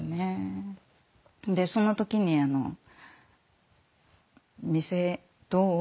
でその時にあの「店どう？